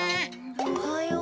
おはよう。